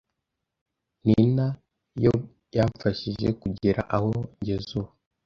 nina yo yamfashije kugera aho ngeze ubu.